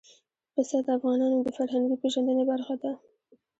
پسه د افغانانو د فرهنګي پیژندنې برخه ده.